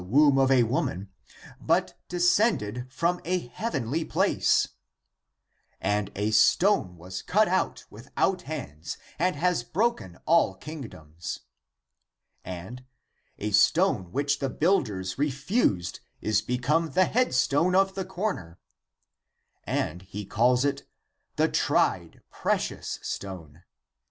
ACTS OF PETER 97 scended from a heavenly place,' ^ and ' a stone was cut out without hands and has broken all king doms,' ^^ and ' the stone which the builders refused is become the head stone of the corner,' ^^ and he calls it ' the tried, precious '^^ stone.